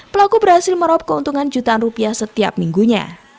pelaku berhasil merob keuntungan jutaan rupiah setiap minggunya